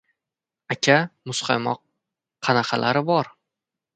Aka muzqaymoq qanaqalari bor?